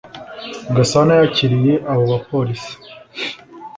Gasana yakiriye abo bapolisi